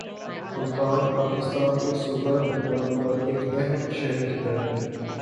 ملتان پاکستان کے صوبہ پنجاب کا ایک اہم شہر ہے